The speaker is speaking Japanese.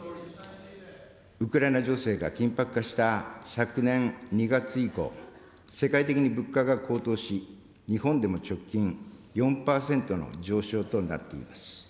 ウクライナ情勢が緊迫化した昨年２月以降、世界的に物価が高騰し、日本でも直近、４％の上昇となっています。